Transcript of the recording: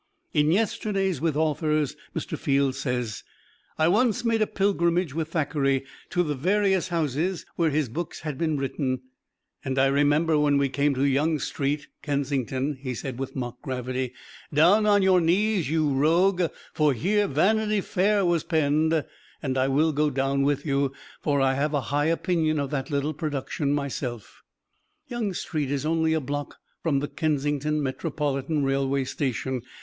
In "Yesterdays With Authors," Mr. Fields says: "I once made a pilgrimage with Thackeray to the various houses where his books had been written; and I remember when we came to Young Street, Kensington, he said, with mock gravity, 'Down on your knees, you rogue, for here "Vanity Fair" was penned; and I will go down with you, for I have a high opinion of that little production myself.'" Young Street is only a block from the Kensington Metropolitan Railway Station.